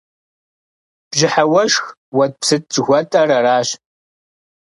Бжьыхьэ уэшх, уэтӀпсытӀ жыхуэтӀэр аращ.